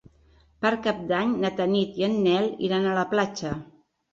Per Cap d'Any na Tanit i en Nel iran a la platja.